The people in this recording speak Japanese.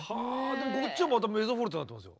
でもこっちはまたメゾフォルテになってますよ。